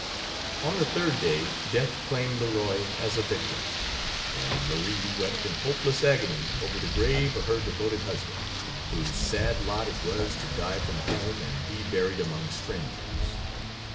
On the third day death claimed Leroy as a victim, and Marie wept in hopeless agony over the grave of her devoted husband, whose sad lot it was to die from home and be buried among strangers.